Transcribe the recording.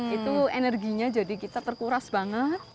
itu energinya jadi kita terkuras banget